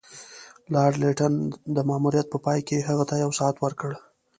لارډ لیټن د ماموریت په پای کې هغه ته یو ساعت ورکړ.